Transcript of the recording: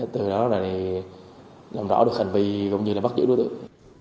từ đó làm rõ được hành vi cũng như là bắt giữ đối tượng